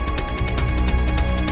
tante tenang aja ya